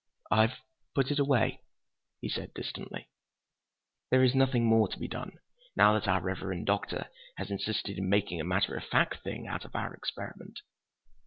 "I've put it away," he said distantly. "There is nothing more to be done, now that our reverend doctor has insisted in making a matter of fact thing out of our experiment.